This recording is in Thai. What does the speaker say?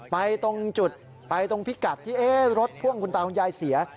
ตรงจุดไปตรงพิกัดที่รถพ่วงคุณตาคุณยายเสีย